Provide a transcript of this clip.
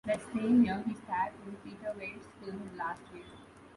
That same year, he starred in Peter Weir's film "The Last Wave".